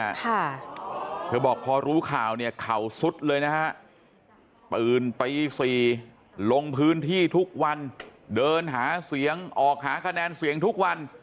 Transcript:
ค่ะเธอบอกพอรู้ข่าวเนี่ยเข่าสุดเลยนะฮะตื่นตีสี่ลงพื้นที่ทุกวันเดินหาเสียงออกหาคะแนนเสียงทุกวัน